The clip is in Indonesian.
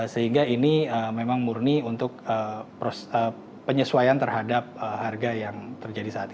sehingga ini memang murni untuk penyesuaian terhadap harga yang terjadi saat ini